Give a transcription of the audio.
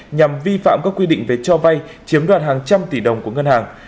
nhằm vi phạm các quy định về cho vay chiếm đoạt hàng trăm tỷ đồng của ngân hàng